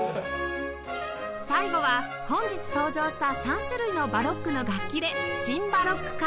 最後は本日登場した３種類のバロックの楽器でシン・バロック化！